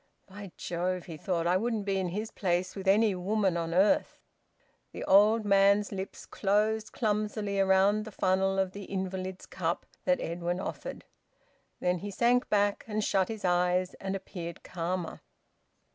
"By Jove!" he thought, "I wouldn't be in his place with any woman on earth!" The old man's lips closed clumsily round the funnel of the invalid's cup that Edwin offered. Then he sank back, and shut his eyes, and appeared calmer.